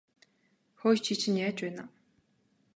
Хөөе чи чинь яаж байна аа?